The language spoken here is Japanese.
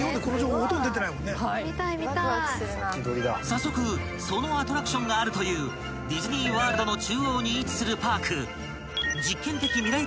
［早速そのアトラクションがあるというディズニー・ワールドの中央に位置するパーク実験的未来